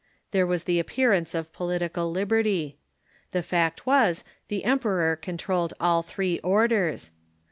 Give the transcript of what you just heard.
There was the appearance of political lib erty. The fact was, the emperor controlled all three orders.